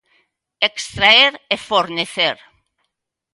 Extraer e fornecer.